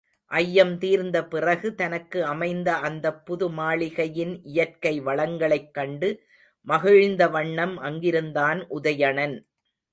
ஐயம் தீர்ந்த பிறகு தனக்கு அமைத்த அந்தப் புதுமாளிகையின் இயற்கை வளங்களைக் கண்டு மகிழ்ந்த வண்ணம் அங்கிருந்தான் உதயணன்.